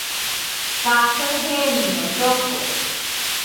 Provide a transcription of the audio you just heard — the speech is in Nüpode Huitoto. Café jenino llokota